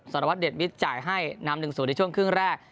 สารวัตรเดชวิทย์จ่ายให้นำหนึ่งสูตรในช่วงครึ่งแรก